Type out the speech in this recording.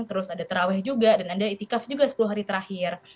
terus ada terawih juga dan ada itikaf juga sepuluh hari terakhir